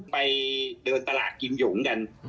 ไปเดินตลาดกินหยงกัน